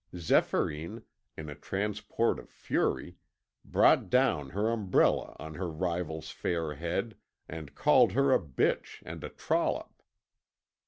Zéphyrine, in a transport of fury, brought down her umbrella on her rival's fair head, and called her a bitch and a trollop.